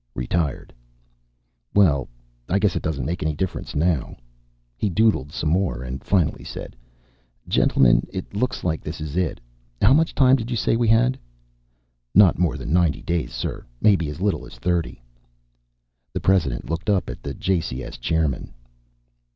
"Retired." "Well, I guess it doesn't make any difference now." He doodled some more and finally said, "Gentlemen, it looks like this is it. How much time did you say we had?" "Not more than ninety days, sir. Maybe as little as thirty." The President looked up at the JCS chairman.